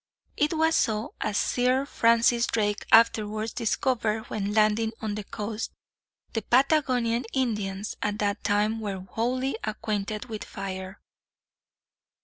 It was so, as Sir Francis Drake afterwards discovered when landing on the coast. The Patagonian Indians, at that time, were wholly unacquainted with fire.